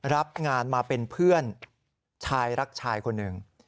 รับงานมาเป็นเพื่อนชายรักชายคนหนึ่ง